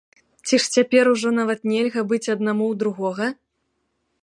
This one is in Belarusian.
Ці ж цяпер ужо нават нельга быць аднаму ў другога?